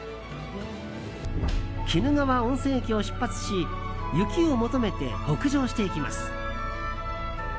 鬼怒川温泉駅を出発し雪を求めて北上していきます。